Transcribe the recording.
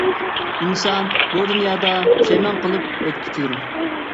ئىنسان بۇ دۇنيادا پۇشايمان قىلىپ ئۆتكۈچىدۇر.